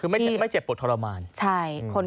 ไม่เจ็บปวดทรมาน